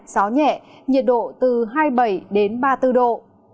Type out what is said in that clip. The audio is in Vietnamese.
gió nhẹ nhiệt độ từ hai mươi bảy đến ba mươi bốn độ